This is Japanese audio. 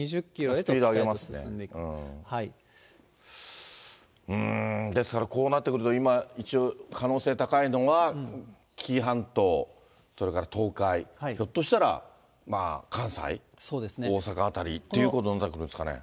このときには、うーん、ですからこうなってくると、今、一応、可能性高いのが紀伊半島、それから東海、ひょっとしたらまあ、関西、大阪辺りということになるんですかね。